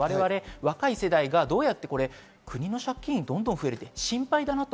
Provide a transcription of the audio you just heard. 若い世代がどうやって、国の借金、どんどん増えるのは心配だと。